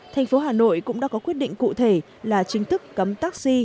thành phố hà nội cũng đã có quyết định cụ thể là chính thức cấm taxi